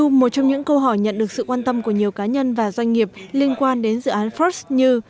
một trong những câu hỏi nhận được sự quan tâm của nhiều cá nhân và doanh nghiệp liên quan đến dự án first như